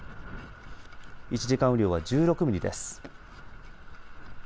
１時間雨量は１６ミリです。